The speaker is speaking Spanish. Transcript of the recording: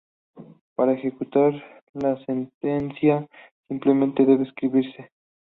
Para ejecutar la sentencia simplemente debe escribirse.